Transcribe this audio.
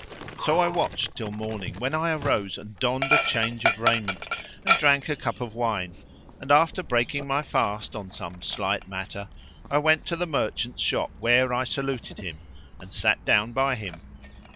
So I watched till morning, when I arose and donned a change of raiment and drank a cup of wine and, after breaking my fast on some slight matter, I went to the merchant's shop where I saluted him and sat down by him.